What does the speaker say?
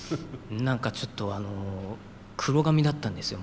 何かちょっとあの黒髪だったんですよ